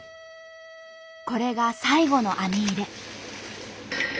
これが最後の網入れ。